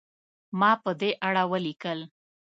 ما په دې اړه ولیکل.